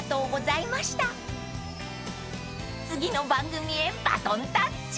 ［次の番組へバトンタッチ］